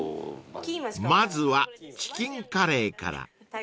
［まずはチキンカレーから］